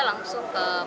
langsung ke polda